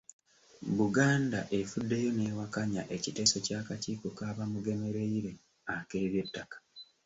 Buganda evuddeyo n'ewakanya ekiteeso ky’akakiiko ka Bamugemereire ak'eby'ettaka.